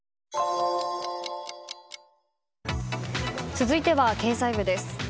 続いては経済部です。